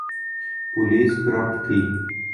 Police corrupt تھی۔